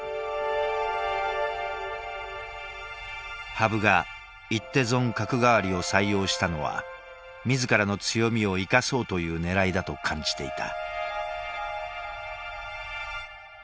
羽生が一手損角換わりを採用したのは自らの強みを生かそうというねらいだと感じていた。